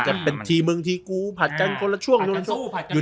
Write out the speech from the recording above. ไปเป็นที่มึงที่กูผ่านจำคนละช่วยมาถูก